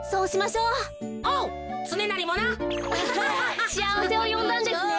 しあわせをよんだんですね。